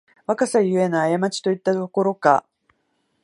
若さゆえのあやまちといったところか